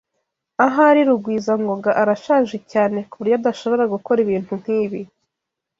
Ahari Rugwizangoga arashaje cyane kuburyo adashobora gukora ibintu nkibi.